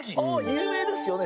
有名ですよね